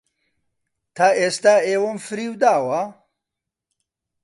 تا ئێستا ئێوەم فریوداوە؟